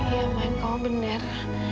iya man kamu bener